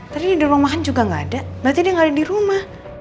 tadi di ruang makan juga gak ada